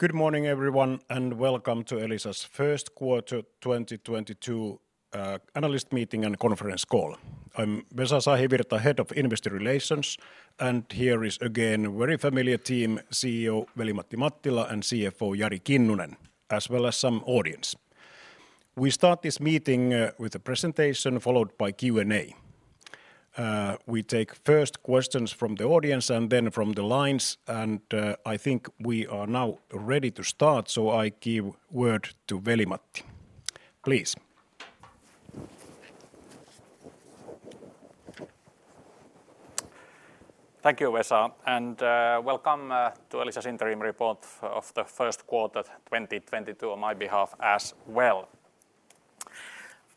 Good morning everyone and welcome to Elisa's Q1 2022 analyst meeting and conference call. I'm Vesa Sahivirta, Head of Investor Relations, and here is again very familiar team, CEO Veli-Matti Mattila and CFO Jari Kinnunen, as well as some audience. We start this meeting with a presentation followed by Q&A. We take first questions from the audience, and then from the lines. I think we are now ready to start, so I give word to Veli-Matti. Please. Thank you, Vesa, and welcome to Elisa's interim report of the Q1 2022 on my behalf as well.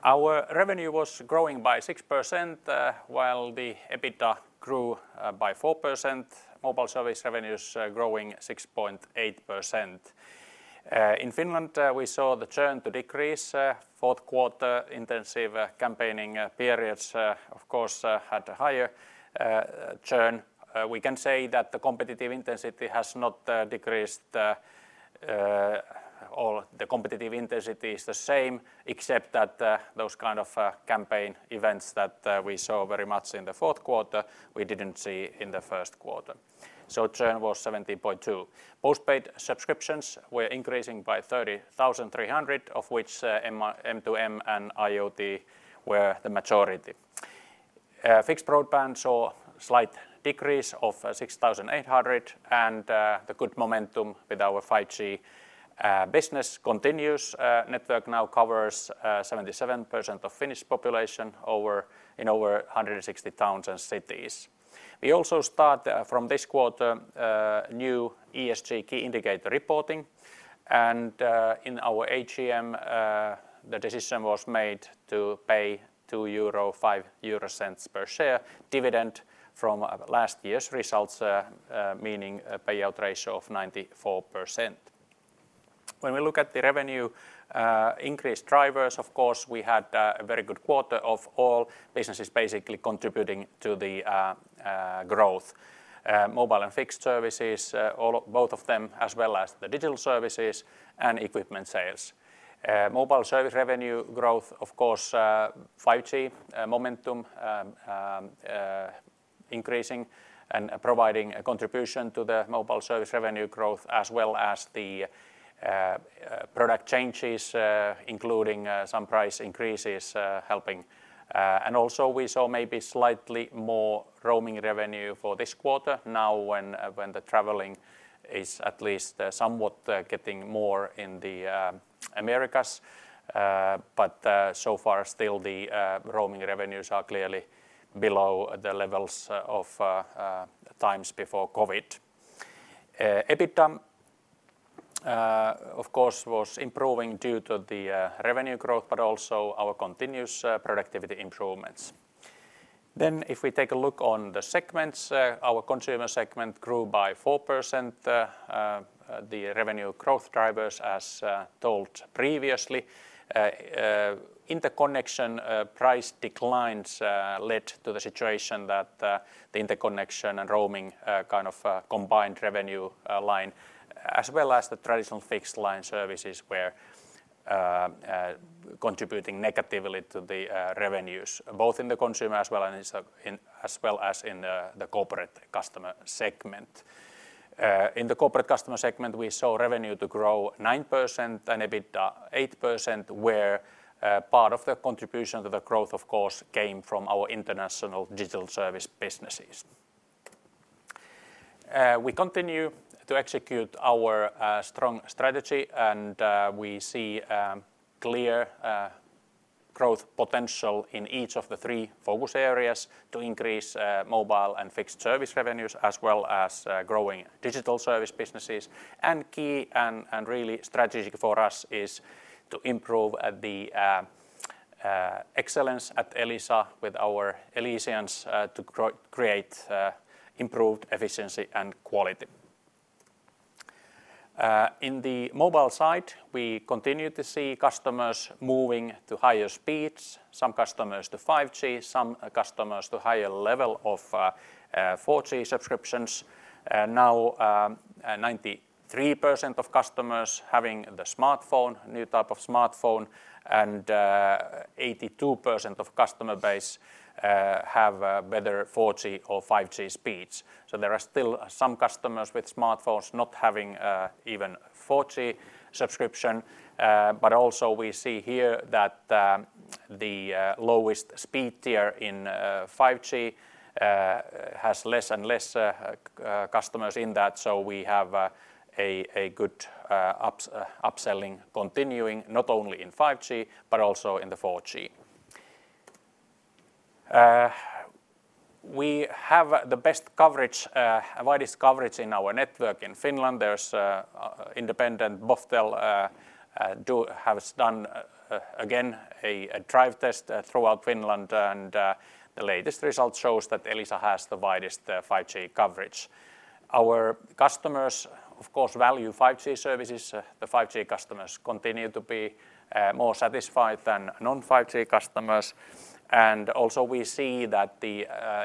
Our revenue was growing by 6%, while the EBITDA grew by 4%. Mobile service revenues are growing 6.8%. In Finland, we saw the churn to decrease, Q4 intensive campaigning periods, of course, had a higher churn. We can say that the competitive intensity has not decreased, or the competitive intensity is the same except that the, those kind of campaign events that we saw very much in the Q4 we didn't see in the Q1. Churn was 70.2. Postpaid subscriptions were increasing by 30,300 of which, M2M and IoT were the majority. Fixed broadband saw a slight decrease of 6,800, and the good momentum with our 5G business continues. Network now covers 77% of Finnish population in over 160 towns and cities. We also start from this quarter new ESG key indicator reporting. In our AGM, the decision was made to pay 2.05 euro per share dividend from last year's results, meaning a payout ratio of 94%. When we look at the revenue increase drivers, of course, we had a very good quarter of all businesses basically contributing to the growth. Mobile and fixed services, both of them as well as the digital services and equipment sales. Mobile service revenue growth, of course, 5G momentum increasing and providing a contribution to the mobile service revenue growth as well as the product changes, including some price increases, helping. We also saw maybe slightly more roaming revenue for this quarter now when the traveling is at least somewhat getting more in the Americas. So far, still the roaming revenues are clearly below the levels of times before COVID. EBITDA, of course, was improving due to the revenue growth but also our continuous productivity improvements. If we take a look at the segments, our consumer segment grew by 4%, the revenue growth drivers as told previously. Interconnection price declines led to the situation that the interconnection and roaming kind of combined revenue line as well as the traditional fixed line services were contributing negatively to the revenues, both in the consumer as well as in the corporate customer segment. In the corporate customer segment, we saw revenue to grow 9% and EBITDA 8% where part of the contribution to the growth of course came from our international digital service businesses. We continue to execute our strong strategy, and we see clear growth potential in each of the three focus areas to increase mobile and fixed service revenues as well as growing digital service businesses and key and really strategic for us is to improve at the excellence at Elisa with our Elisians to create improved efficiency and quality. In the mobile side, we continue to see customers moving to higher speeds, some customers to 5G, some customers to higher level of 4G subscriptions. Now, 93% of customers having the smartphone, new type of smartphone, and 82% of customer base have better 4G or 5G speeds. There are still some customers with smartphones not having even 4G subscription. Also we see here that the lowest speed tier in 5G has less and less customers in that. We have a good upselling continuing, not only in 5G but also in the 4G. We have the best coverage and widest coverage in our network in Finland. There is independent Omnitele have done again a drive test throughout Finland, and the latest results shows that Elisa has the widest 5G coverage. Our customers of course value 5G services. The 5G customers continue to be more satisfied than non-5G customers. We see that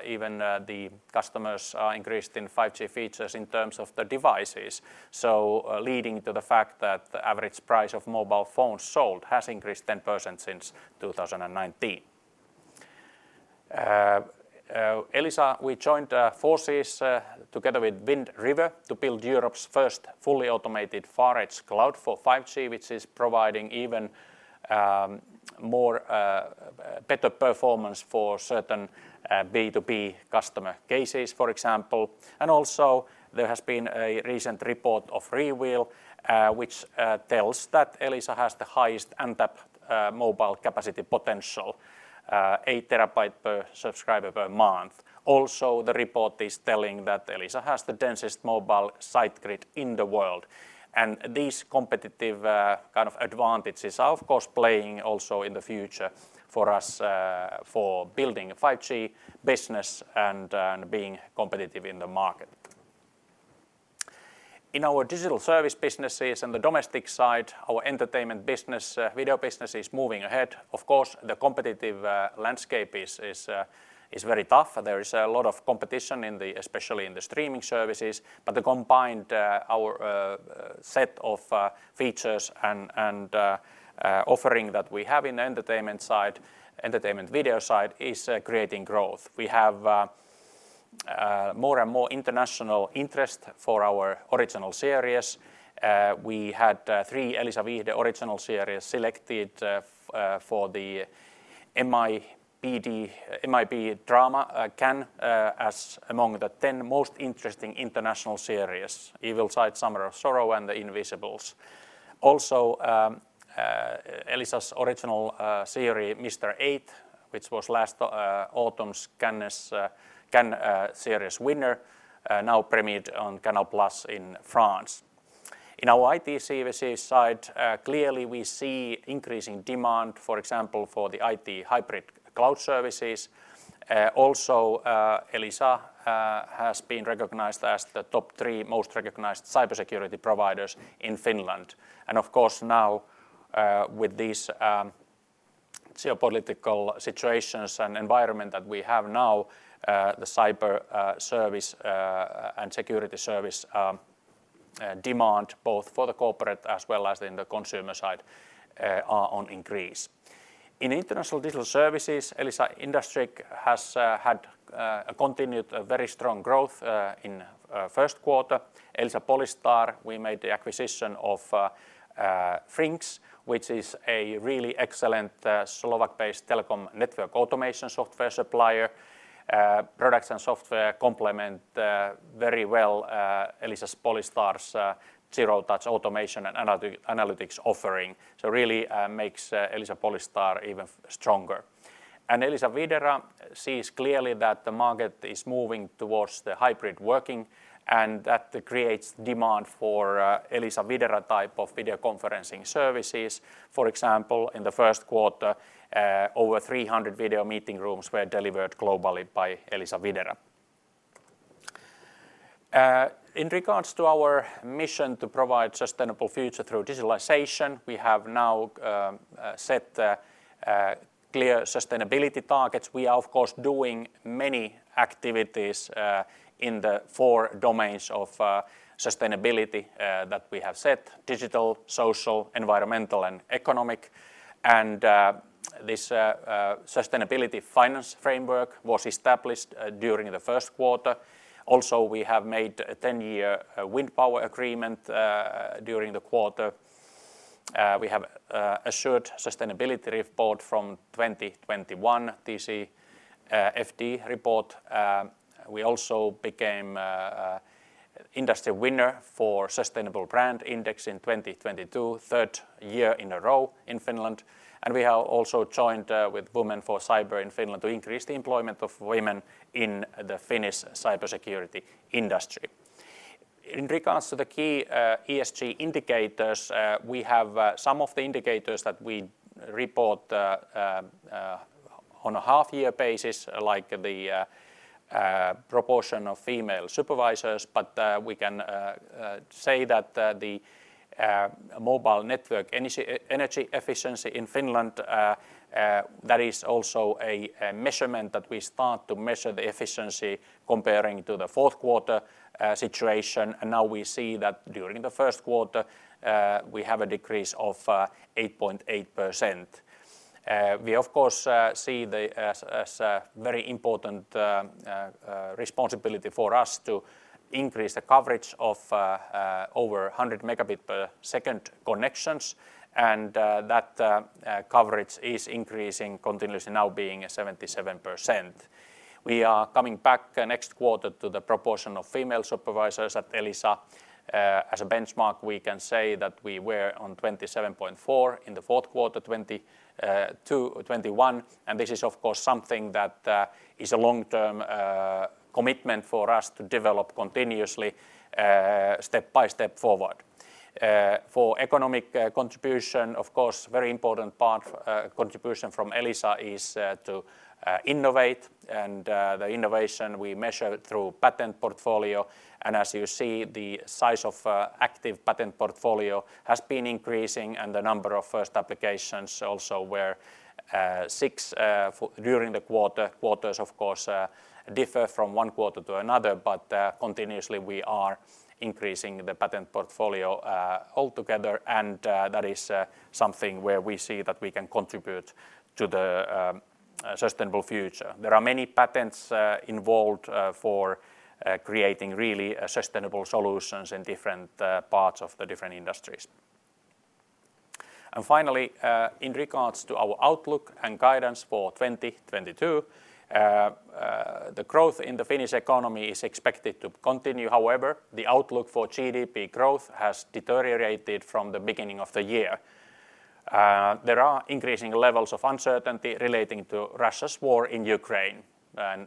even the customers are increased in 5G features in terms of the devices, so leading to the fact that the average price of mobile phones sold has increased 10% since 2019. At Elisa, we joined forces together with Wind River to build Europe's first fully automated far edge cloud for 5G, which is providing even more better performance for certain B2B customer cases, for example. There has been a recent report of Rewheel, which tells that Elisa has the highest untapped mobile capacity potential, 8 TB per subscriber per month. Also, the report is telling that Elisa has the densest mobile site grid in the world. These competitive, kind of advantages are, of course, playing also in the future for us, for building a 5G business and being competitive in the market. In our digital service businesses and the domestic side, our entertainment business, video business is moving ahead. Of course, the competitive landscape is very tough. There is a lot of competition, especially in the streaming services. The combined our set of features and offering that we have in the entertainment side, entertainment video side, is creating growth. We have more and more international interest for our original series. We had three Elisa Viihde original series selected for the MIPDrama CANNES as among the 10 most interesting international series. Evilside, Summer of Sorrow, and The Invincibles. Elisa's original series, Mister 8, which was last autumn's Canneseries winner, now premiered on Canal+ in France. In our IT services side, clearly we see increasing demand, for example, for the IT hybrid cloud services. Also, Elisa has been recognized as the top three most recognized cybersecurity providers in Finland. Of course now, with these geopolitical situations and environment that we have now, the cyber and security services demand both for the corporate as well as in the consumer side are on increase. In international digital services, Elisa IndustrIQ has continued a very strong growth in Q1. Elisa Polystar, we made the acquisition of FRINX, which is a really excellent Slovak-based telecom network automation software supplier. Products and software complement very well Elisa Polystar's zero-touch automation and analytics offering. Really makes Elisa Polystar even stronger. Elisa Videra sees clearly that the market is moving towards the hybrid working, and that creates demand for Elisa Videra type of video conferencing services. For example, in the Q1, over 300 video meeting rooms were delivered globally by Elisa Videra. In regard to our mission to provide sustainable future through digitalization, we have now set clear sustainability targets. We are of course doing many activities in the four domains of sustainability that we have set, digital, social, environmental, and economic. This sustainability finance framework was established during the Q1. Also, we have made a 10-year wind power agreement during the quarter. We have assured sustainability report from 2021 TCFD report. We also became industry winner for Sustainable Brand Index in 2022, third year in a row in Finland. We have also joined with Women4Cyber in Finland to increase the employment of women in the Finnish cybersecurity industry. In regards to the key ESG indicators, we have some of the indicators that we report on a half-year basis, like the proportion of female supervisors. We can say that the mobile network energy efficiency in Finland that is also a measurement that we start to measure the efficiency comparing to the Q4 situation. Now we see that during the Q1 we have a decrease of 8.8%. We of course see as a very important responsibility for us to increase the coverage of over 100 Mbps connections. That coverage is increasing continuously, now being at 77%. We are coming back next quarter to the proportion of female supervisors at Elisa. As a benchmark, we can say that we were on 27.4% in the Q4 2021. This is of course something that is a long-term commitment for us to develop continuously step by step forward. For economic contribution, of course, very important part contribution from Elisa is to innovate, and the innovation we measure through patent portfolio. As you see, the size of active patent portfolio has been increasing, and the number of first applications also were six during the quarter. Quarters, of course, differ from one quarter to another, but continuously we are increasing the patent portfolio altogether, and that is something where we see that we can contribute to the sustainable future. There are many patents involved for creating really sustainable solutions in different parts of the different industries. Finally, in regards to our outlook and guidance for 2022, the growth in the Finnish economy is expected to continue. However, the outlook for GDP growth has deteriorated from the beginning of the year. There are increasing levels of uncertainty relating to Russia's war in Ukraine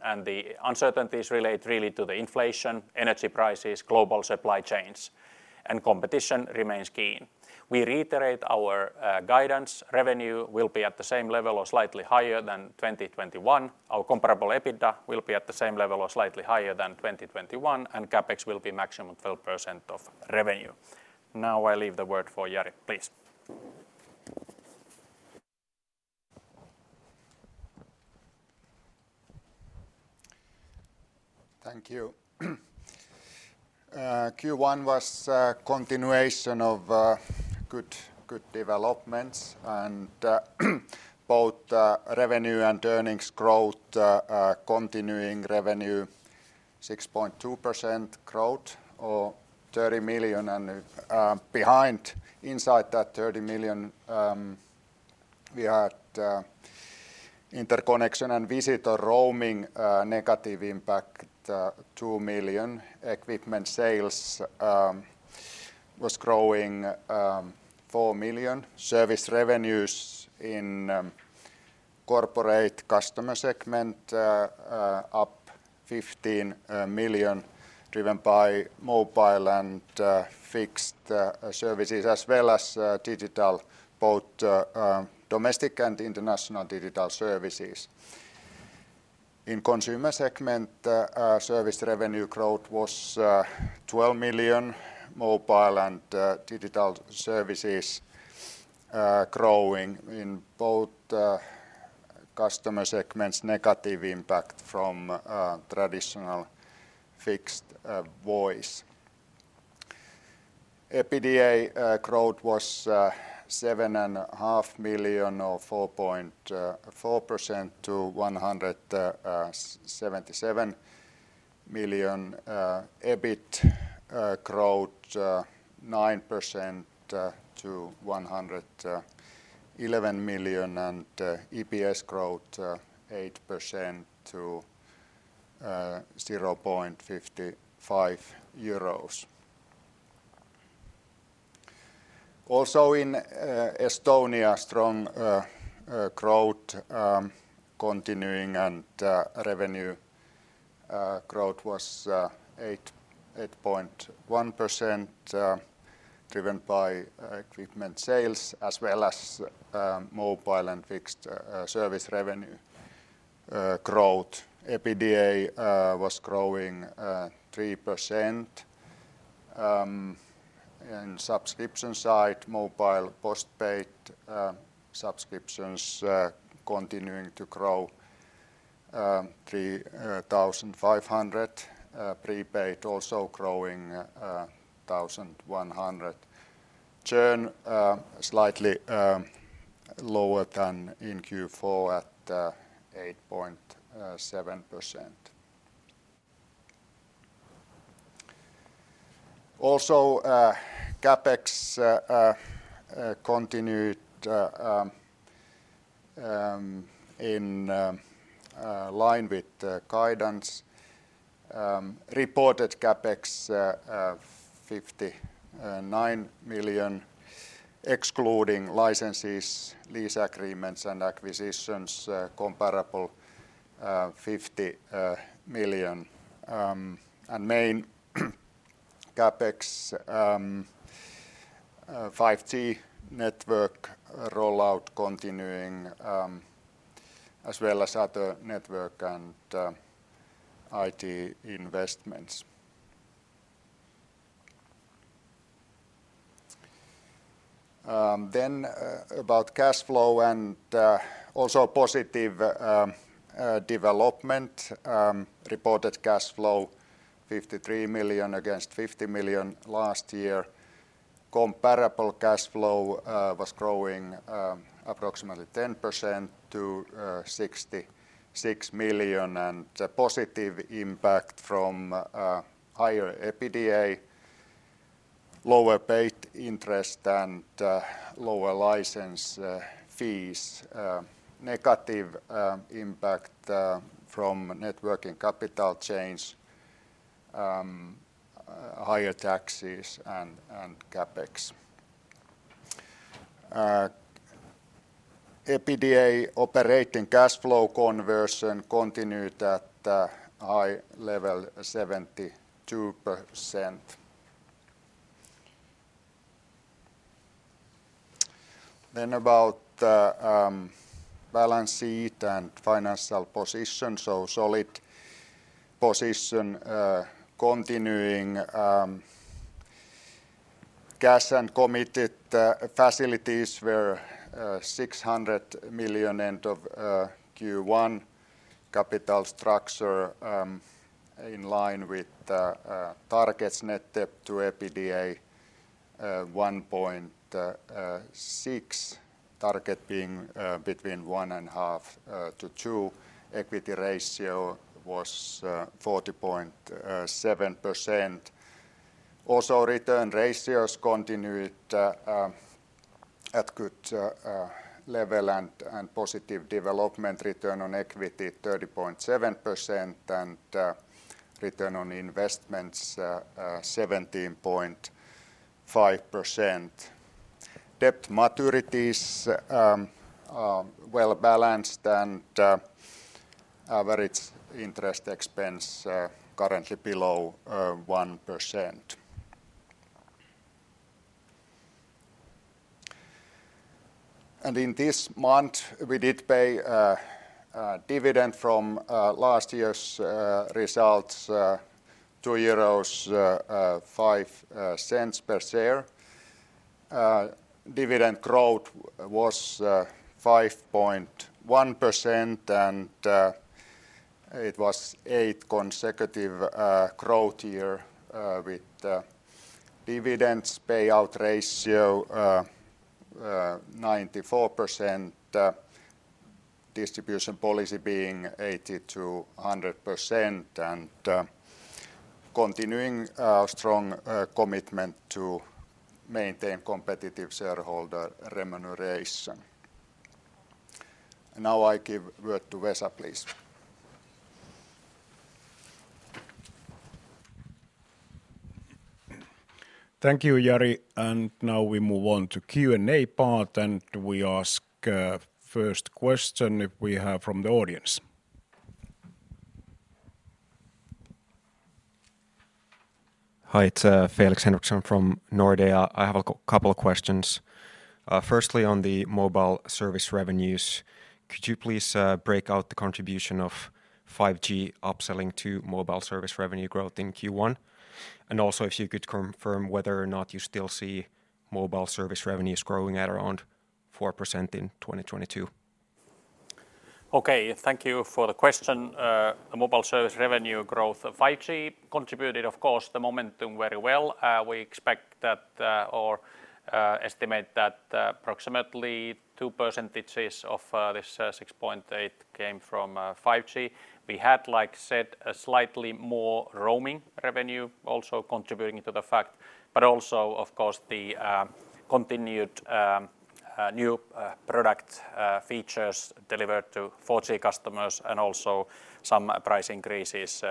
and the uncertainties relate really to the inflation, energy prices, global supply chains, and competition remains keen. We reiterate our guidance. Revenue will be at the same level or slightly higher than 2021. Our comparable EBITDA will be at the same level or slightly higher than 2021, and CapEx will be maximum 12% of revenue. Now I leave the word for Jari, please. Thank you. Q1 was a continuation of good developments, both revenue and earnings growth are continuing. Revenue 6.2% growth or 30 million, and behind, inside that 30 million, we had interconnection and visitor roaming negative impact 2 million. Equipment sales was growing 4 million. Service revenues in corporate customer segment up 15 million, driven by mobile and fixed services, as well as digital, both domestic and international digital services. In consumer segment, service revenue growth was 12 million. Mobile and digital services growing in both customer segments. Negative impact from traditional fixed voice. EBITDA growth was 7.5 million or 4.4% to 177 million. EBIT growth 9% to 111 million, and EPS growth 8% to 0.55 euros. In Estonia, strong growth continuing and revenue growth was 8.1% driven by equipment sales as well as mobile and fixed service revenue growth. EBITDA was growing 3% and subscription side, mobile postpaid subscriptions continuing to grow 3,500. Prepaid also growing 1,100. Churn slightly lower than in Q4 at 8.7%. Also CapEx continued in line with the guidance. Reported CapEx EUR 59 million, excluding licenses, lease agreements and acquisitions comparable EUR 50 million. Main CapEx, 5G network rollout continuing, as well as other network and IT investments. About cash flow and also positive development. Reported cash flow 53 million against 50 million last year. Comparable cash flow was growing approximately 10% to 66 million, and a positive impact from higher EBITDA, lower paid interest, and lower license fees. Negative impact from net working capital change, higher taxes, and CapEx. EBITDA operating cash flow conversion continued at high level 72%. About balance sheet and financial position, solid position continuing, cash and committed facilities were 600 million end of Q1. Capital structure in line with the targets net debt to EBITDA 1.6, target being between 1.5-2. Equity ratio was 40.7%. Also, return ratios continued at good level and positive development return on equity 30.7% and return on investments 17.5%. Debt maturities well balanced and average interest expense currently below 1%. In this month, we did pay dividend from last year's results, 2.05 euros per share. Dividend growth was 5.1%, and it was eight consecutive growth years with dividend payout ratio 94%, distribution policy being 80%-100% and continuing our strong commitment to maintain competitive shareholder remuneration. Now I give word to Vesa, please. Thank you, Jari. Now we move on to Q&A part, and we ask first question if we have from the audience. Hi, it's Felix Henriksson from Nordea. I have a couple of questions. Firstly, on the mobile service revenues, could you please break out the contribution of 5G upselling to mobile service revenue growth in Q1? Also if you could confirm whether or not you still see mobile service revenues growing at around 4% in 2022? Okay. Thank you for the question. The mobile service revenue growth of 5G contributed, of course, to the momentum very well. We estimate that approximately two percentages of this 6.8 came from 5G. We had, like I said, a slightly more roaming revenue also contributing to the fact, but also, of course, the continued new product features delivered to 4G customers and also some price increases,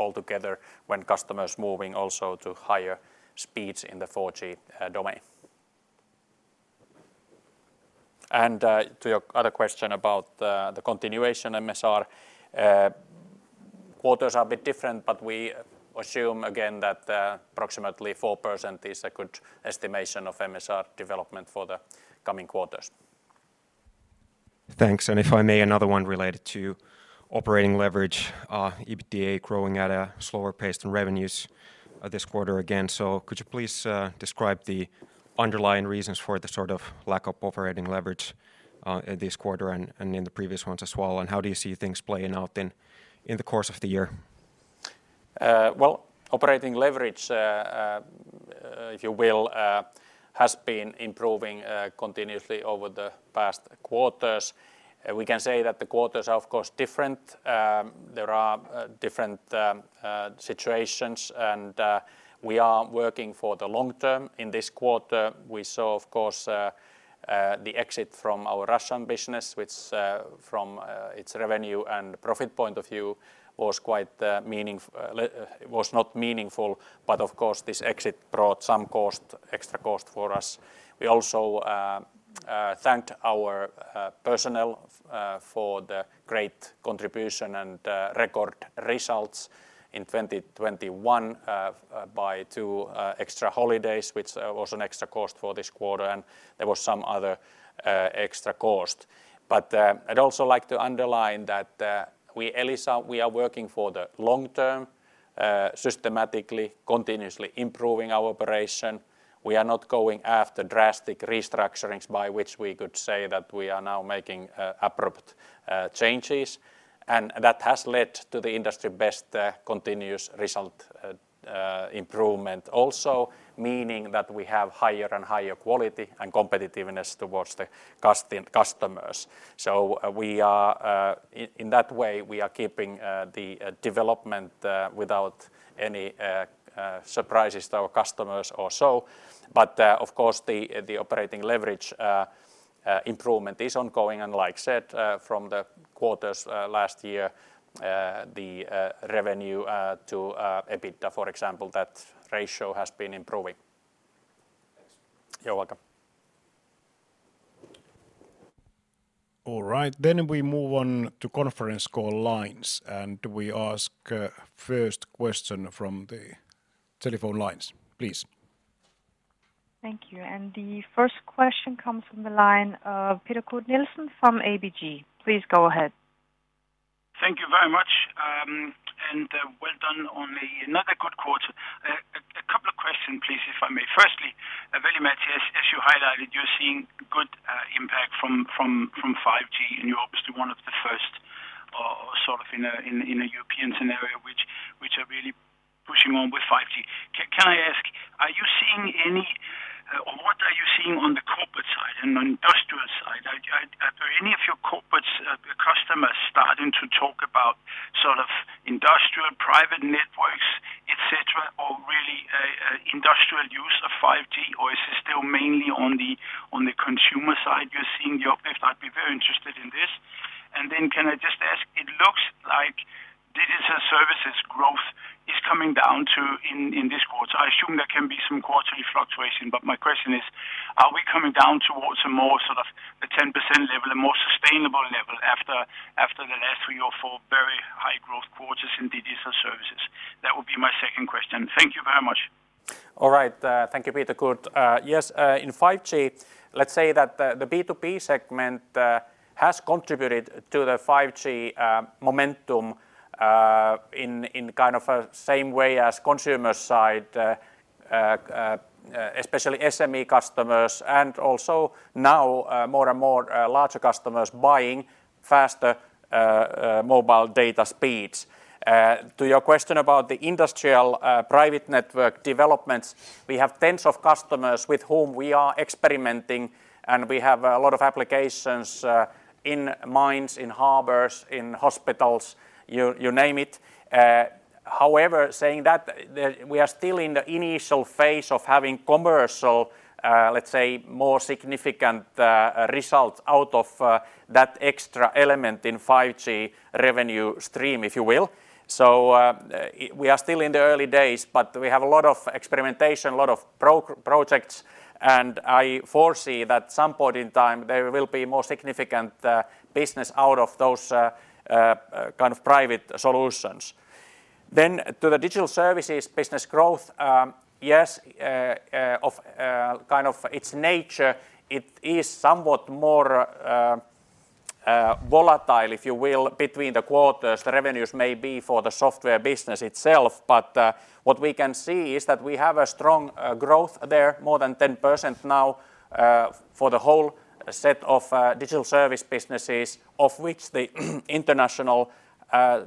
altogether when customers moving also to higher speeds in the 4G domain. To your other question about the continuation MSR, quarters are a bit different, but we assume again that approximately 4% is a good estimation of MSR development for the coming quarters. Thanks. If I may, another one related to operating leverage, EBITDA growing at a slower pace than revenues, this quarter again. Could you please describe the underlying reasons for the sort of lack of operating leverage, this quarter and in the previous ones as well? How do you see things playing out in the course of the year? Well, operating leverage, if you will, has been improving continuously over the past quarters. We can say that the quarters are, of course, different. There are different situations and we are working for the long term. In this quarter, we saw, of course, the exit from our Russian business, which, from its revenue and profit point of view, was not meaningful, but of course this exit brought some cost, extra cost for us. We also thanked our personnel for the great contribution and record results in 2021 by two extra holidays, which was an extra cost for this quarter, and there was some other extra cost. I'd also like to underline that, we Elisa, we are working for the long term, systematically, continuously improving our operation. We are not going after drastic restructurings by which we could say that we are now making abrupt changes. That has led to the industry best continuous result improvement also, meaning that we have higher and higher quality and competitiveness towards the customers. We are in that way keeping the development without any surprises to our customers or so. Of course, the operating leverage improvement is ongoing. Like I said, from the quarters last year, the revenue to EBITDA, for example, that ratio has been improving. Thanks. You're welcome. All right. We move on to conference call lines, and we ask first question from the telephone lines, please. Thank you. The first question comes from the line of Peter Kurt Nielsen from ABG. Please go ahead. Thank you very much. Well done on another good quarter. A couple of questions, please, if I may. Firstly, Veli-Matti, as you highlighted, you're seeing good impact from 5G, and you're obviously one of the first sort of in a European scenario which are really pushing on with 5G. Can I ask, are you seeing any or what are you seeing on the corporate side and industrial side? Are any of your corporate customers starting to talk about sort of industrial private networks, et cetera, or really an industrial use of 5G, or is it still mainly on the consumer side you're seeing the uplift? I'd be very interested in this. Can I just ask, it looks like digital services growth is coming down to in this quarter. I assume there can be some quarterly fluctuation, but my question is, are we coming down towards a more sort of a 10% level, a more sustainable level after the last three or four very high growth quarters in digital services? That would be my second question. Thank you very much. All right. Thank you, Peter Kurt. Yes, in 5G, let's say that the B2B segment has contributed to the 5G momentum in kind of a same way as consumer side, especially SME customers and also now more and more larger customers buying faster mobile data speeds. To your question about the industrial private network developments, we have tens of customers with whom we are experimenting, and we have a lot of applications in mines, in harbors, in hospitals, you name it. However, saying that, we are still in the initial phase of having commercial, let's say, more significant results out of that extra element in 5G revenue stream, if you will. We are still in the early days, but we have a lot of experimentation, a lot of projects, and I foresee that some point in time there will be more significant business out of those kind of private solutions. To the digital services business growth, yes, of kind of its nature, it is somewhat more volatile, if you will, between the quarters. The revenues may be for the software business itself, but what we can see is that we have a strong growth there, more than 10% now, for the whole set of digital service businesses, of which the international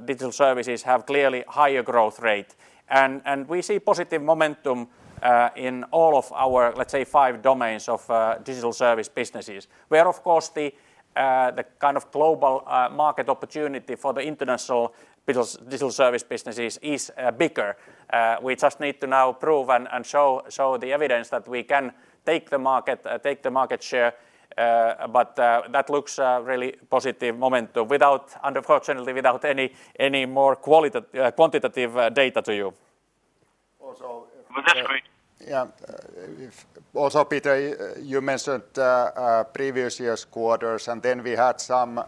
digital services have clearly higher growth rate. We see positive momentum in all of our, let's say, five domains of digital service businesses. Where, of course, the kind of global market opportunity for the international digital service businesses is bigger. We just need to now prove and show the evidence that we can take the market share. That looks like a really positive momentum, unfortunately without any more quantitative data to you. Also- Was that great? Yeah. Also, Peter, you mentioned previous years' quarters, and then we had some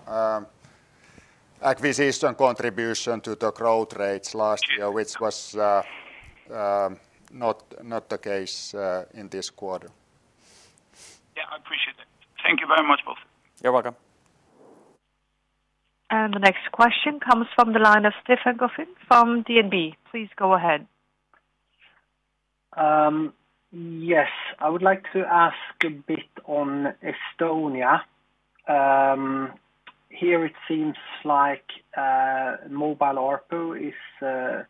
acquisition contribution to the growth rates last year, which was not the case in this quarter. Yeah, I appreciate that. Thank you very much, both. You're welcome. The next question comes from the line of Stefan Gauffin from DNB. Please go ahead. Yes. I would like to ask a bit on Estonia. Here it seems like mobile ARPU is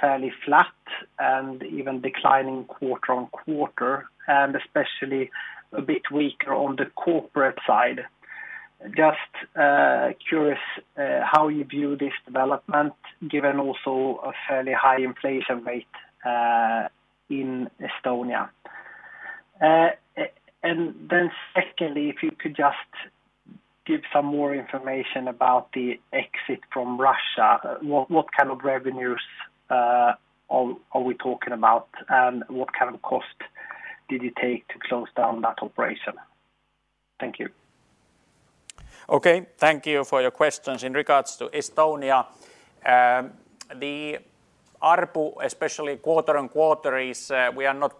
fairly flat and even declining quarter-over-quarter, and especially a bit weaker on the corporate side. Just curious how you view this development given also a fairly high inflation rate in Estonia. And then secondly, if you could just give some more information about the exit from Russia. What kind of revenues are we talking about, and what kind of cost did it take to close down that operation? Thank you. Okay. Thank you for your questions. In regards to Estonia, the ARPU, especially quarter-on-quarter, is. We are not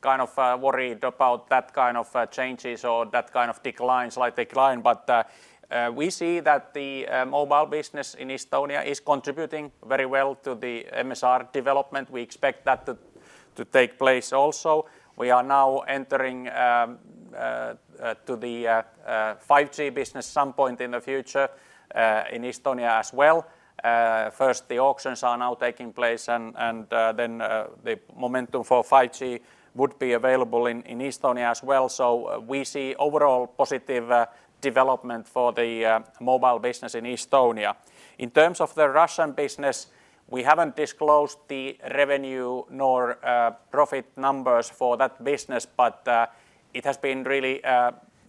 kind of worried about that kind of changes or that kind of declines. We see that the mobile business in Estonia is contributing very well to the MSR development. We expect that to take place also. We are now entering into the 5G business some point in the future in Estonia as well. First, the auctions are now taking place and then the momentum for 5G would be available in Estonia as well. We see overall positive development for the mobile business in Estonia. In terms of the Russian business. We haven't disclosed the revenue nor profit numbers for that business, but it has been really,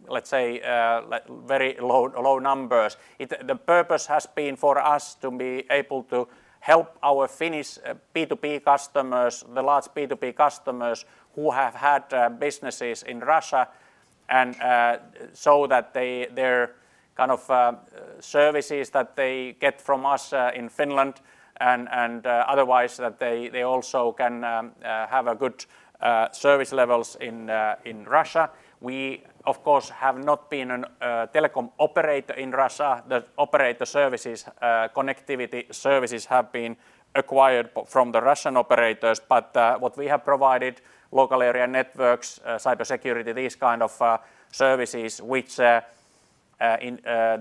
let's say, like very low numbers. The purpose has been for us to be able to help our Finnish B2B customers, the large B2B customers who have had businesses in Russia and so that they, their kind of services that they get from us in Finland and otherwise, that they also can have a good service levels in Russia. We, of course, have not been a telecom operator in Russia. The operator services, connectivity services have been acquired from the Russian operators. What we have provided, local area networks, cybersecurity, these kind of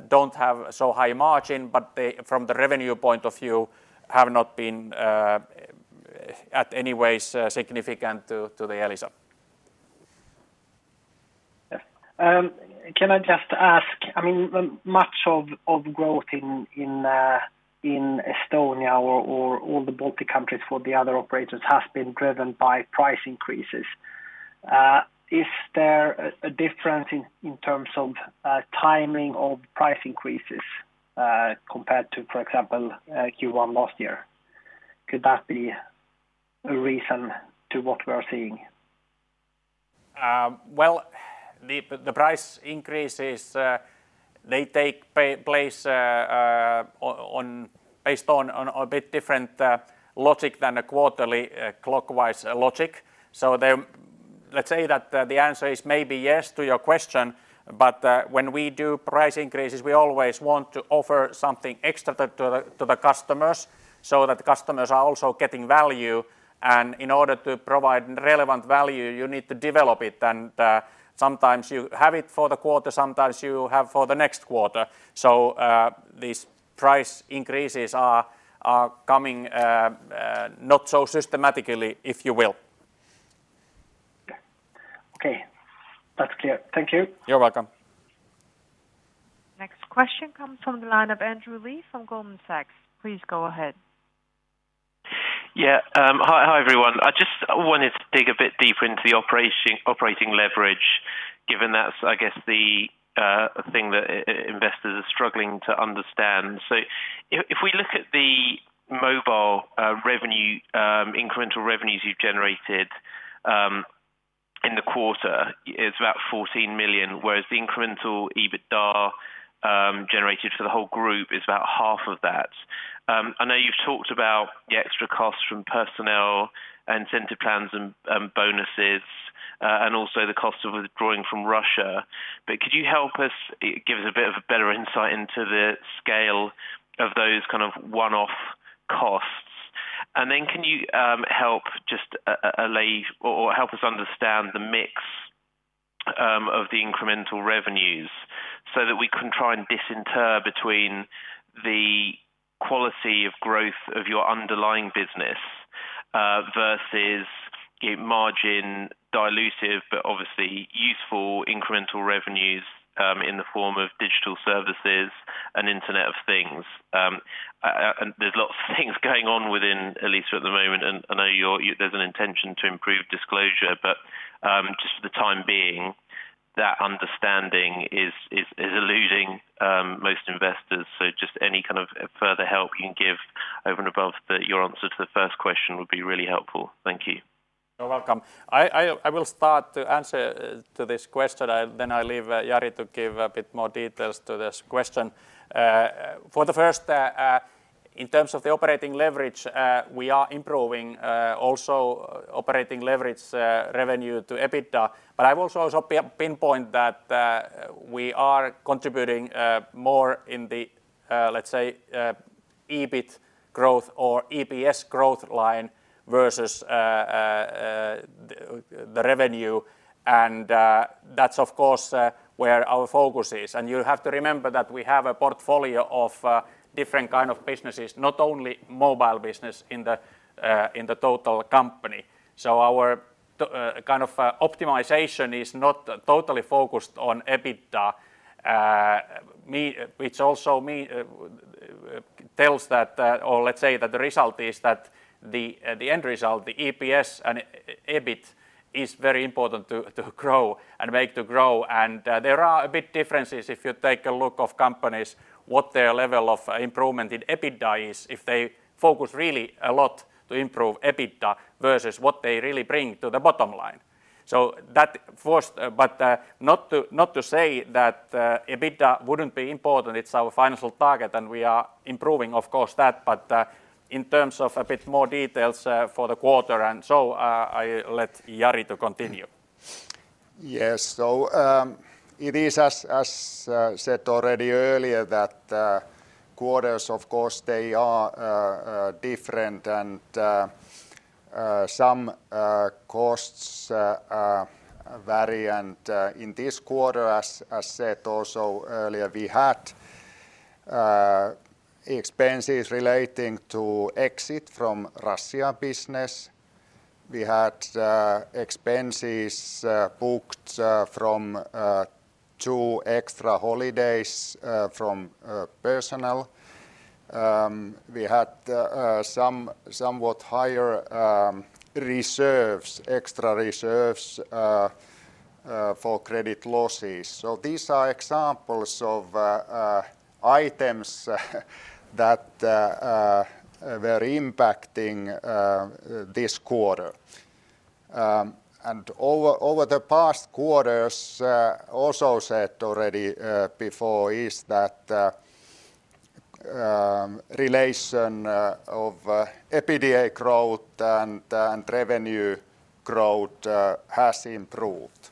don't have so high margin, but they, from the revenue point of view, have not been in any way significant to the Elisa. Yeah. Can I just ask, I mean, much of growth in Estonia or all the Baltic countries for the other operators has been driven by price increases. Is there a difference in terms of timing of price increases compared to, for example, Q1 last year? Could that be a reason for what we are seeing? Well, the price increases, they take place based on a bit different logic than a quarterly clockwork logic. Let's say that the answer is maybe yes to your question. When we do price increases, we always want to offer something extra to the customers so that the customers are also getting value. In order to provide relevant value, you need to develop it. Sometimes you have it for the quarter, sometimes you have for the next quarter. These price increases are coming not so systematically, if you will. Okay. That's clear. Thank you. You're welcome. Next question comes from the line of Andrew Lee from Goldman Sachs. Please go ahead. Hi, everyone. I just wanted to dig a bit deeper into the operating leverage, given that's, I guess, the thing that investors are struggling to understand. If we look at the mobile revenue, incremental revenues you've generated in the quarter, it's about 14 million, whereas the incremental EBITDA generated for the whole group is about half of that. I know you've talked about the extra costs from personnel, incentive plans and bonuses, and also the cost of withdrawing from Russia. Could you help us give us a bit of a better insight into the scale of those kind of one-off costs? Can you help us understand the mix of the incremental revenues so that we can try and distinguish between the quality of growth of your underlying business versus margin dilutive, but obviously useful incremental revenues in the form of digital services and Internet of Things? There's lots of things going on within Elisa at the moment, and I know there's an intention to improve disclosure. But just for the time being, that understanding is eluding most investors. Just any kind of further help you can give over and above your answer to the first question would be really helpful. Thank you. You're welcome. I will start to answer to this question. I leave Jari to give a bit more details to this question. For the first, in terms of the operating leverage, we are improving also operating leverage, revenue to EBITDA. I will also pinpoint that, we are contributing more in the, let's say, EBIT growth or EPS growth line versus the revenue. That's of course where our focus is. You have to remember that we have a portfolio of different kind of businesses, not only mobile business in the total company. Our kind of optimization is not totally focused on EBITDA, which also tells that, or let's say that the result is that the end result, the EPS and EBIT is very important to grow and make to grow. There are a bit differences if you take a look at companies, what their level of improvement in EBITDA is, if they focus really a lot to improve EBITDA versus what they really bring to the bottom line. Not to say that EBITDA wouldn't be important. It's our financial target, and we are improving, of course, that. In terms of a bit more details for the quarter and so, I let Jari to continue. Yes. It is as said already earlier that quarters, of course, they are different and some costs vary. In this quarter, as said also earlier, we had expenses relating to exit from Russia business. We had expenses booked from two extra holidays from personnel. We had somewhat higher extra reserves for credit losses. These are examples of items that were impacting this quarter. Over the past quarters, also said already before is that relation of EBITDA growth and revenue growth has improved.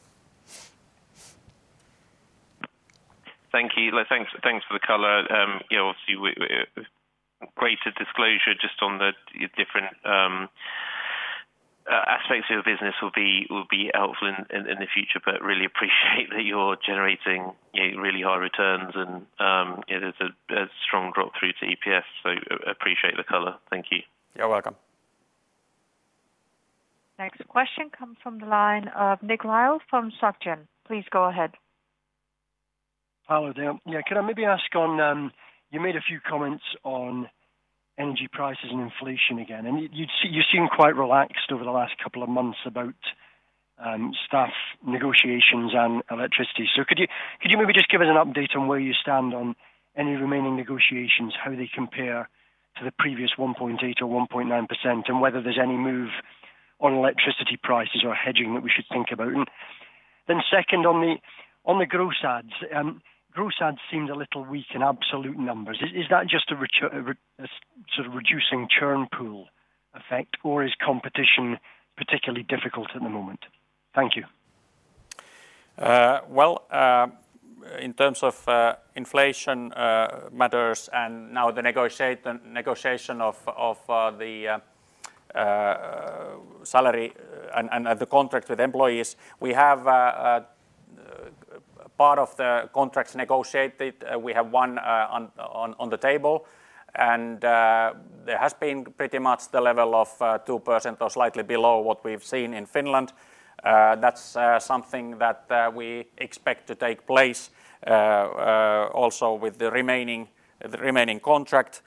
Thank you. Thanks for the color. You know, obviously, greater disclosure just on the different aspects of your business will be helpful in the future, but really appreciate that you're generating, you know, really high returns and, you know, there's a strong drop through to EPS, so appreciate the color. Thank you. You're welcome. Next question comes from the line of Nick Lyall from Societe. Please go ahead. Hello there. Yeah. Can I maybe ask on, you made a few comments on energy prices and inflation again, and you seem quite relaxed over the last couple of months about staff negotiations and electricity. Could you maybe just give us an update on where you stand on any remaining negotiations? How they compare to the previous 1.8% or 1.9%, and whether there's any move on electricity prices or hedging that we should think about? Second, on the gross adds, gross adds seemed a little weak in absolute numbers. Is that just a sort of reducing churn pool effect or is competition particularly difficult at the moment? Thank you. Well, in terms of inflation matters and now the negotiation of the salary and the contract with employees, we have part of the contracts negotiated. We have one on the table and there has been pretty much the level of 2% or slightly below what we've seen in Finland. That's something that we expect to take place also with the remaining contract.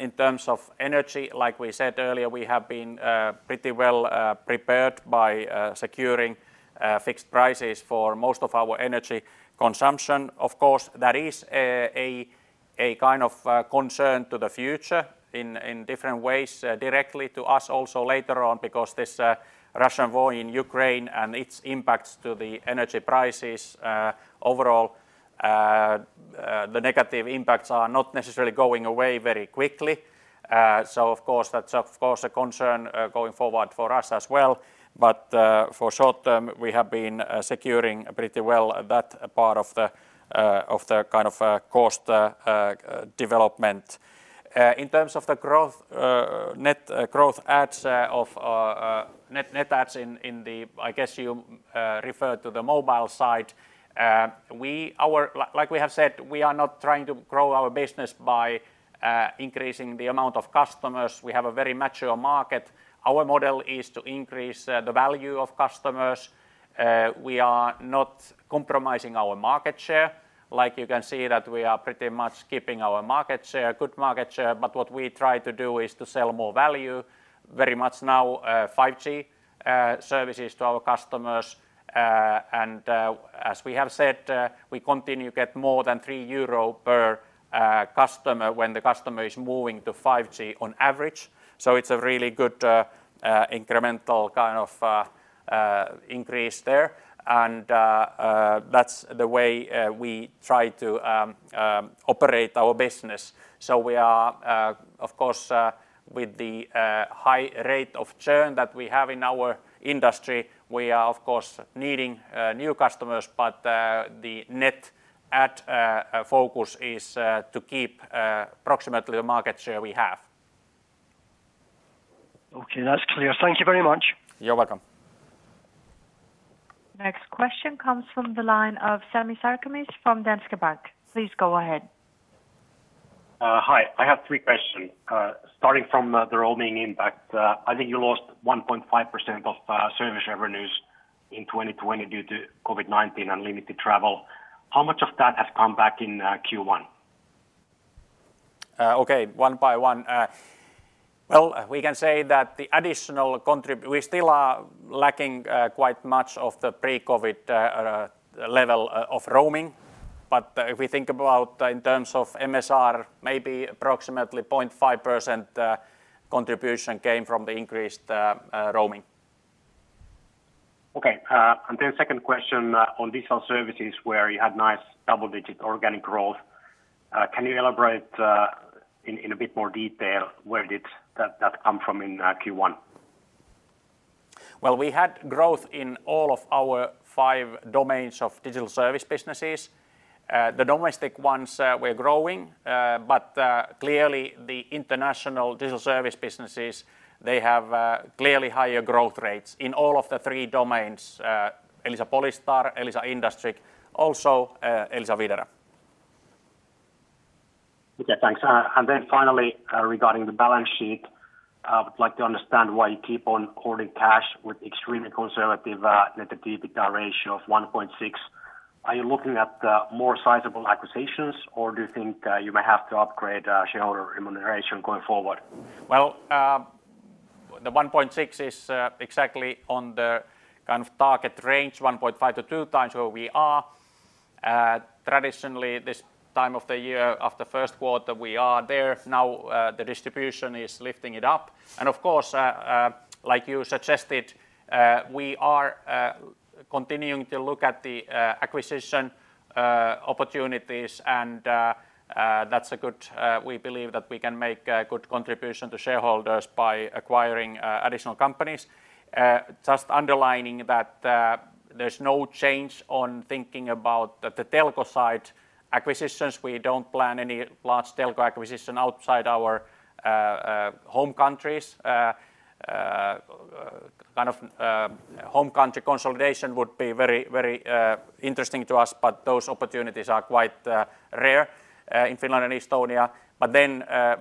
In terms of energy, like we said earlier, we have been pretty well prepared by securing fixed prices for most of our energy consumption. Of course, that is a kind of concern to the future in different ways, directly to us also later on because this Russian war in Ukraine and its impacts to the energy prices overall, the negative impacts are not necessarily going away very quickly. Of course, that's a concern going forward for us as well. For the short term, we have been securing pretty well that part of the kind of cost development. In terms of the growth, net growth adds of net adds. I guess you referred to the mobile side. Like we have said, we are not trying to grow our business by increasing the amount of customers. We have a very mature market. Our model is to increase the value of customers. We are not compromising our market share. Like you can see that we are pretty much keeping our market share, good market share, but what we try to do is to sell more value, very much now, 5G services to our customers. As we have said, we continue to get more than 3 euro per customer when the customer is moving to 5G on average. It's a really good incremental kind of increase there. That's the way we try to operate our business. We are, of course, with the high rate of churn that we have in our industry, we are of course needing new customers, but the net add focus is to keep approximately the market share we have. Okay. That's clear. Thank you very much. You're welcome. Next question comes from the line of Sami Sarkamies from Danske Bank. Please go ahead. Hi. I have three questions. Starting from the roaming impact, I think you lost 1.5% of service revenues in 2020 due to COVID-19 and limited travel. How much of that has come back in Q1? Okay, one by one. We can say that we still are lacking quite much of the pre-COVID level of roaming. If we think about in terms of MSR, maybe approximately 0.5% contribution came from the increased roaming. Okay. Second question, on digital services where you had nice double-digit organic growth. Can you elaborate, in a bit more detail where did that come from in Q1? Well, we had growth in all of our five domains of digital service businesses. The domestic ones were growing, but clearly the international digital service businesses, they have clearly higher growth rates in all of the three domains, Elisa Polystar, Elisa IndustrIQ, also, Elisa Videra. Okay, thanks. Finally, regarding the balance sheet, I would like to understand why you keep on holding cash with extremely conservative net debt-to-EBITDA ratio of 1.6. Are you looking at more sizable acquisitions, or do you think you may have to upgrade shareholder remuneration going forward? Well, the 1.6 is exactly on the kind of target range, 1.5x-2x where we are. Traditionally, this time of the year, after Q1, we are there. Now, the distribution is lifting it up. Of course, like you suggested, we are continuing to look at the acquisition opportunities, and we believe that we can make a good contribution to shareholders by acquiring additional companies. Just underlining that, there's no change on thinking about the telco side acquisitions. We don't plan any large telco acquisition outside our home countries. Kind of home country consolidation would be very, very interesting to us, but those opportunities are quite rare in Finland and Estonia.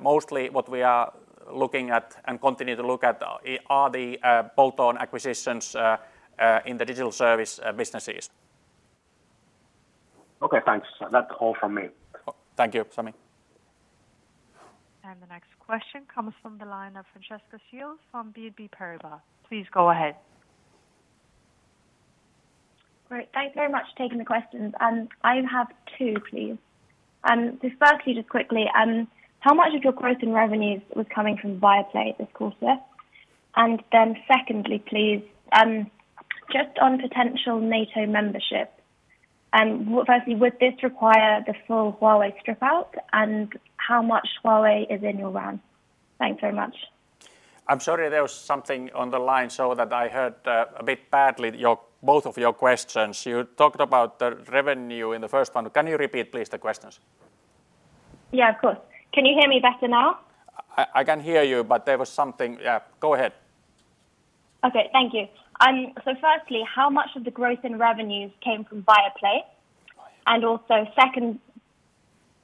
Mostly what we are looking at and continue to look at are the bolt-on acquisitions in the digital service businesses. Okay, thanks. That's all from me. Thank you, Sami. The next question comes from the line of Francesca Fields from BNP Paribas. Please go ahead. Great. Thank you very much for taking the questions. I have two, please. Just firstly, just quickly, how much of your growth in revenues was coming from Viaplay this quarter? Secondly, please, just on potential NATO membership, would this require the full Huawei strip out? And how much Huawei is in your RAN? Thanks very much. I'm sorry, there was something on the line so that I heard a bit badly both of your questions. You talked about the revenue in the first one. Can you repeat please the questions? Yeah, of course. Can you hear me better now? I can hear you, but there was something. Yeah, go ahead. Okay, thank you. Firstly, how much of the growth in revenues came from Viaplay?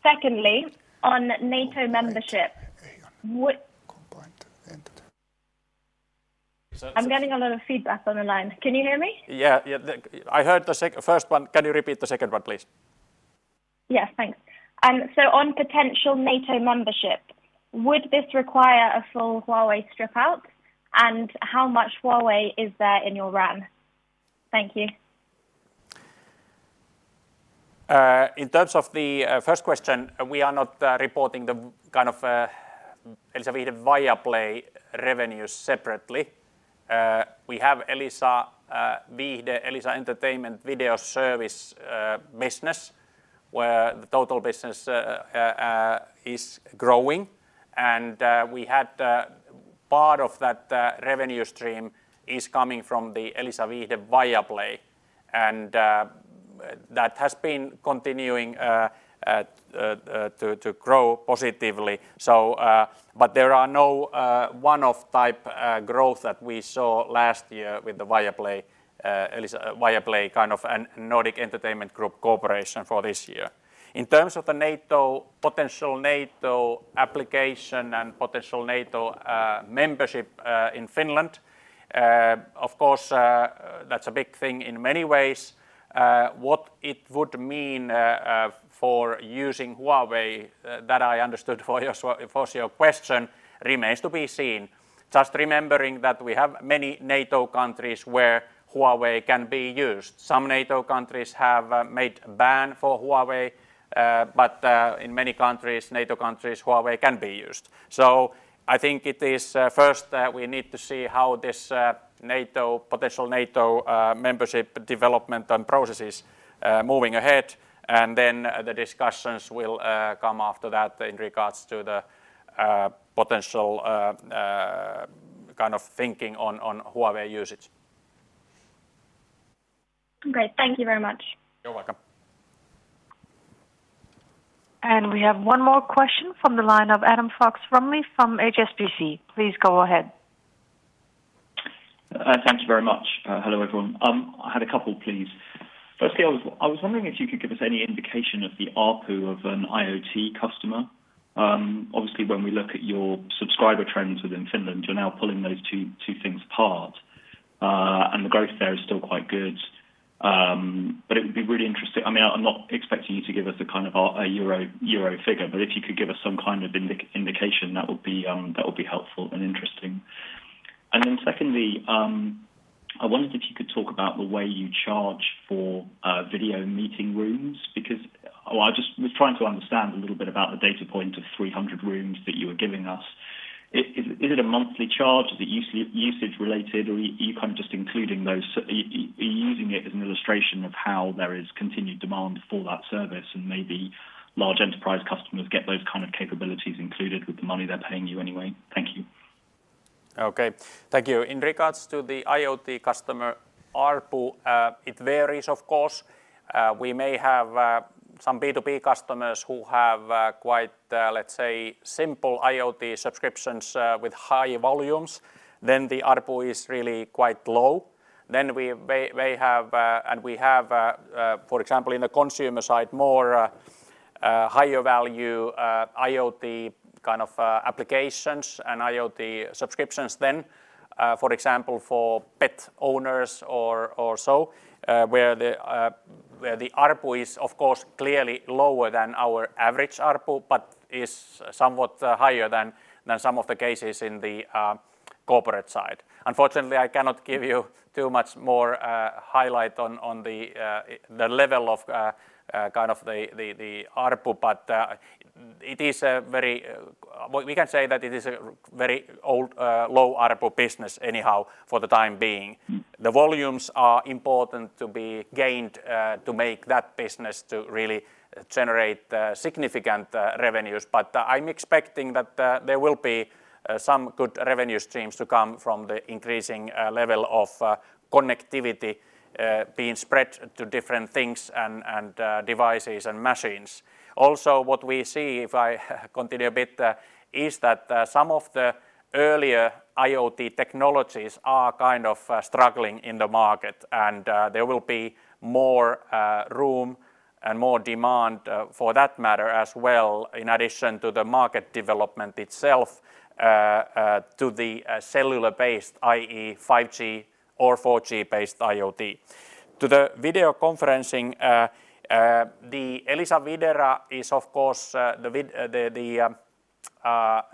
Secondly, on NATO membership- I'm getting a lot of feedback on the line. Can you hear me? Yeah, yeah. I heard the first one. Can you repeat the second one, please? Yes. Thanks. On potential NATO membership, would this require a full Huawei strip out? And how much Huawei is there in your RAN? Thank you. In terms of the first question, we are not reporting the kind of Elisa Viihde Viaplay revenue separately. We have Elisa Viihde, Elisa Entertainment video service business, where the total business is growing. We have part of that revenue stream coming from the Elisa Viihde Viaplay, and that has been continuing to grow positively. There are no one-off type growth that we saw last year with the Viaplay, Elisa Viaplay kind of a Nordic Entertainment Group cooperation for this year. In terms of the NATO, potential NATO application and potential NATO membership in Finland, of course, that's a big thing in many ways. What it would mean for using Huawei, that I understood from your question, remains to be seen. Just remembering that we have many NATO countries where Huawei can be used. Some NATO countries have made ban for Huawei. In many countries, NATO countries, Huawei can be used. I think it is first we need to see how this NATO potential NATO membership development and process is moving ahead. Then the discussions will come after that in regards to the potential kind of thinking on Huawei usage. Great. Thank you very much. You're welcome. We have one more question from the line of Adam Fox-Rumley from HSBC. Please go ahead. Thanks very much. Hello, everyone. I had a couple, please. Firstly, I was wondering if you could give us any indication of the ARPU of an IoT customer. Obviously, when we look at your subscriber trends within Finland, you're now pulling those two things apart. The growth there is still quite good. But it would be really interesting. I mean, I'm not expecting you to give us a kind of a Euro figure, but if you could give us some kind of indication, that would be helpful and interesting. Then secondly, I wondered if you could talk about the way you charge for video meeting rooms because well, I just was trying to understand a little bit about the data point of 300 rooms that you were giving us. Is it a monthly charge? Is it usage-related or are you kind of just including those? Are you using it as an illustration of how there is continued demand for that service and maybe large enterprise customers get those kind of capabilities included with the money they're paying you anyway? Thank you. Okay. Thank you. In regards to the IoT customer ARPU, it varies, of course. We may have some B2B customers who have quite, let's say, simple IoT subscriptions with high volumes, then the ARPU is really quite low. We may have and we have, for example, in the consumer side, more higher value IoT kind of applications and IoT subscriptions then, for example, for pet owners or so, where the ARPU is, of course, clearly lower than our average ARPU, but is somewhat higher than some of the cases in the corporate side. Unfortunately, I cannot give you too much more highlight on the level of kind of the ARPU, but it is a very. We can say that it is a very old, low ARPU business anyhow for the time being. The volumes are important to be gained, to make that business to really generate, significant, revenues. I'm expecting that, there will be, some good revenue streams to come from the increasing, level of, connectivity, being spread to different things and, devices and machines. Also, what we see, if I continue a bit, is that, some of the earlier IoT technologies are kind of struggling in the market, and, there will be more room and more demand, for that matter as well, in addition to the market development itself, to the cellular based, i.e. 5G or 4G-based IoT. To the video conferencing, the Elisa Videra is of course, the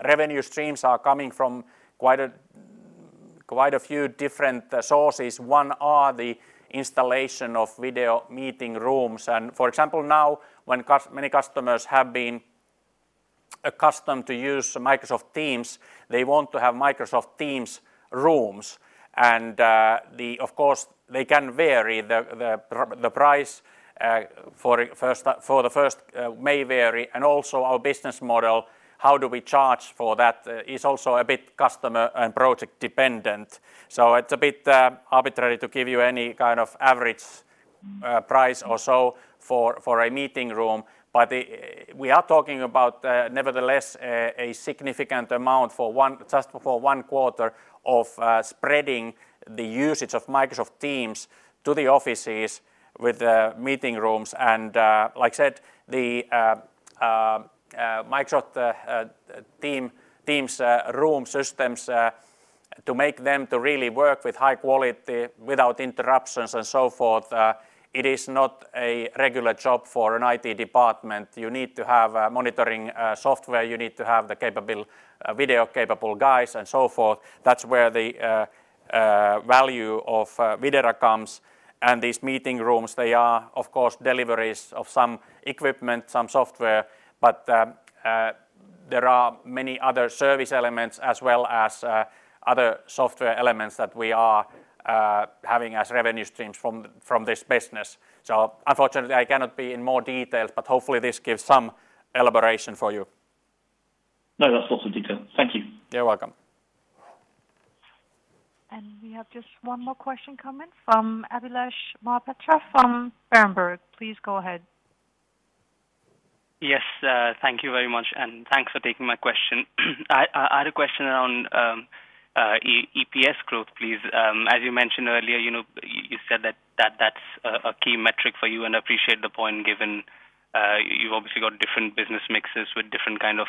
revenue streams are coming from quite a few different sources. One are the installation of video meeting rooms. For example, now when many customers have been accustomed to use Microsoft Teams, they want to have Microsoft Teams rooms. Of course, they can vary the price for the first may vary. Also our business model, how do we charge for that is also a bit customer and project dependent. It's a bit arbitrary to give you any kind of average price or so for a meeting room. We are talking about, nevertheless, a significant amount for just one quarter of spreading the usage of Microsoft Teams to the offices with the meeting rooms. Like I said, the Microsoft Teams room systems to make them really work with high quality without interruptions and so forth, it is not a regular job for an IT department. You need to have a monitoring software. You need to have the video-capable guys and so forth. That's where the value of Videra comes. These meeting rooms, they are, of course, deliveries of some equipment, some software, but there are many other service elements as well as other software elements that we are having as revenue streams from this business. Unfortunately, I cannot be in more details, but hopefully this gives some elaboration for you. No, that's lots of detail. Thank you. You're welcome. We have just one more question coming from Abhilash Mohapatra from Berenberg. Please go ahead. Yes. Thank you very much, and thanks for taking my question. I had a question around EPS growth, please. As you mentioned earlier, you know, you said that that's a key metric for you, and I appreciate the point given you've obviously got different business mixes with different kind of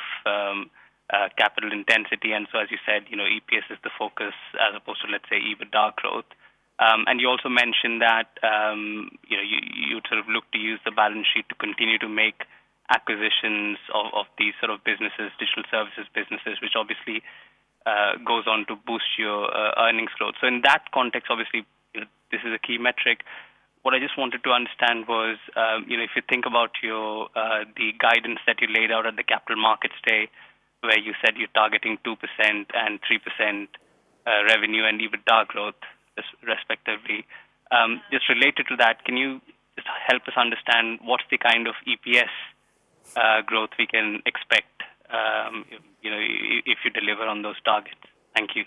capital intensity. EPS is the focus as opposed to, let's say, EBITDA growth. You also mentioned that you know, you sort of look to use the balance sheet to continue to make acquisitions of these sort of businesses, digital services businesses, which obviously goes on to boost your earnings growth. In that context, obviously, you know, this is a key metric. What I just wanted to understand was, you know, if you think about your, the guidance that you laid out at the Capital Markets Day, where you said you're targeting 2% and 3%, revenue and EBITDA growth respectively. Just related to that, can you just help us understand what's the kind of EPS growth we can expect, you know, if you deliver on those targets? Thank you.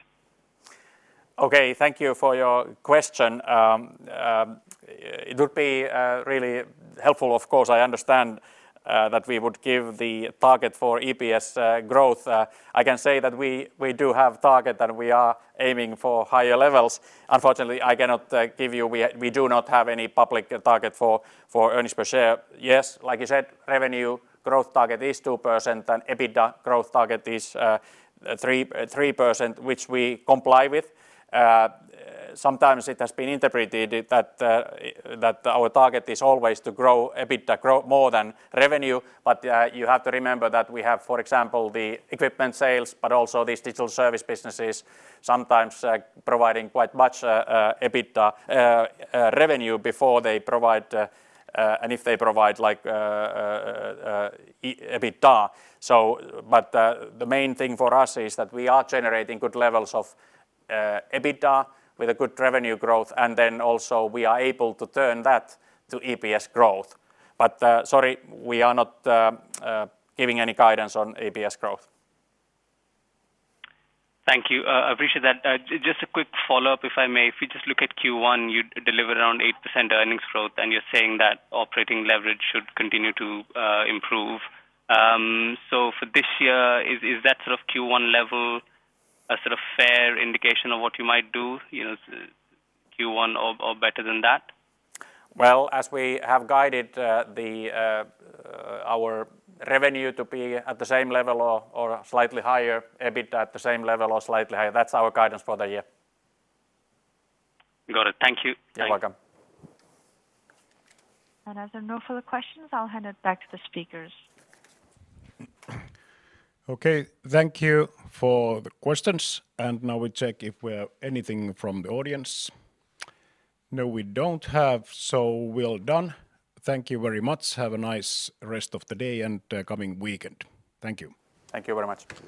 Okay. Thank you for your question. It would be really helpful, of course. I understand that we would give the target for EPS growth. I can say that we do have target, and we are aiming for higher levels. Unfortunately, I cannot give you. We do not have any public target for earnings per share. Yes, like you said, revenue growth target is 2%, and EBITDA growth target is 3%, which we comply with. Sometimes it has been interpreted that our target is always to grow EBITDA, grow more than revenue. You have to remember that we have, for example, the equipment sales, but also these digital service businesses, sometimes providing quite much EBITDA revenue before they provide, and if they provide like EBITDA. The main thing for us is that we are generating good levels of EBITDA with a good revenue growth, and then also we are able to turn that to EPS growth. Sorry, we are not giving any guidance on EPS growth. Thank you. Appreciate that. Just a quick follow-up, if I may. If you just look at Q1, you delivered around 8% earnings growth, and you're saying that operating leverage should continue to improve. So for this year, is that sort of Q1 level a sort of fair indication of what you might do? You know, Q1 or better than that? Well, as we have guided, our revenue to be at the same level or slightly higher, EBITDA at the same level or slightly higher, that's our guidance for the year. Got it. Thank you. You're welcome. As there are no further questions, I'll hand it back to the speakers. Okay. Thank you for the questions. Now we check if we have anything from the audience. No, we don't have, so we're done. Thank you very much. Have a nice rest of the day and coming weekend. Thank you. Thank you very much.